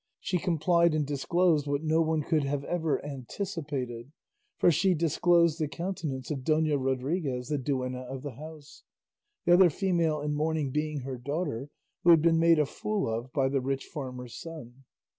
She complied and disclosed what no one could have ever anticipated, for she disclosed the countenance of Dona Rodriguez, the duenna of the house; the other female in mourning being her daughter, who had been made a fool of by the rich farmer's son.